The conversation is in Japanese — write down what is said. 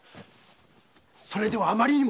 それではあまりにも。